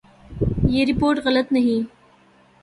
یہ رپورٹ غلط نہیں